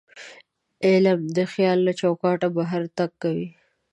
علم د خیال له چوکاټه بهر تګ کوي.